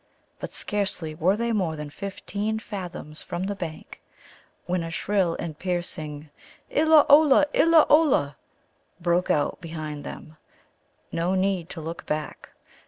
But scarcely were they more than fifteen fathoms from the bank when a shrill and piercing "Illa olla! illa olla!" broke out behind them. No need to look back.